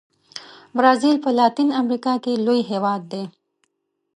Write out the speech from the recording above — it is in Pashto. برازیل په لاتین امریکا کې لوی هېواد دی.